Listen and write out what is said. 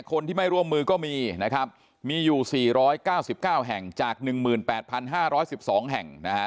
คนที่ไม่ร่วมมือก็มีนะครับมีอยู่๔๙๙แห่งจาก๑๘๕๑๒แห่งนะฮะ